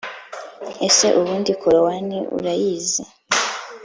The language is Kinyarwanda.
ese ubundi korowani urayizi